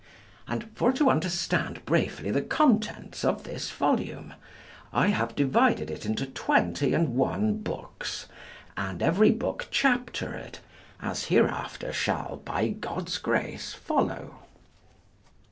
And for to understand briefly the contents of this volume, I have divided it into 21 books, and every book chaptered, as hereafter shall by God's grace follow.